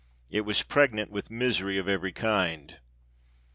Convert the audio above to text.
It was pregnant with misery of every kind.